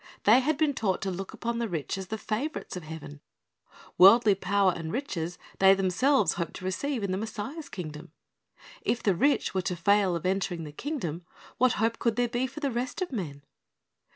They had been taught to look upon the rich as the favorites of heaven; worldly power and riches they themselves hoped to receive in the Messiah's kingdom; if the rich were to fail of entering the kingdom, what hope could there be for the rest of men